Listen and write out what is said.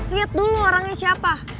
liat dulu orangnya siapa